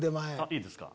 いいですか。